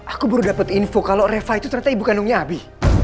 aku baru dapat info kalau reva itu ternyata ibu kandungnya abi